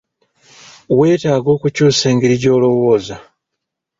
Weetaaga okukyusa engeri gy'olowooza.